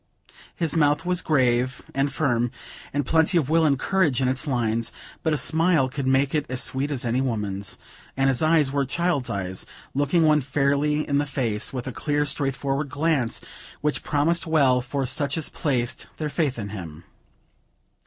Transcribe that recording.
His mouth was grave and firm, with plenty of will and courage in its lines, but a smile could make it as sweet as any woman's; and his eyes were child's eyes, looking one fairly in the face, with a clear, straightforward glance, which promised well for such as placed their faith in him.